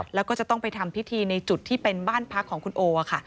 แล้วก็จะต้องไปทำพิธีในจุดที่เป็นบ้านพักของคุณโอค่ะ